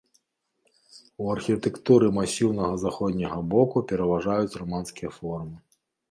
У архітэктуры масіўнага заходняга боку пераважаюць раманскія формы.